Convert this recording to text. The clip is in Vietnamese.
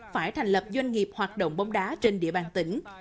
phải thành lập doanh nghiệp hoạt động bóng đá trên địa bàn tỉnh